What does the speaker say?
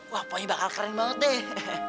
wah pokoknya bakal keren banget deh